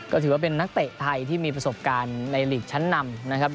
ก็ถือว่าเป็นนักเตะไทยที่มีประสบการณ์ในหลีกชั้นนำนะครับ